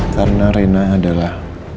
karena reina adalah